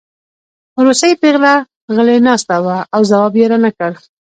روسۍ پېغله غلې ناسته وه او ځواب یې رانکړ